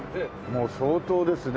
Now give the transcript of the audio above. もう相当ですね。